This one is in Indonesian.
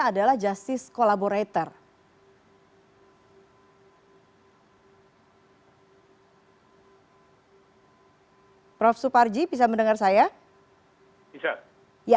adalah justice kolaborator prof subarji bisa mendengar saya bisa ya